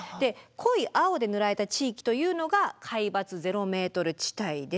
濃い青で塗られた地域というのが海抜ゼロメートル地帯です。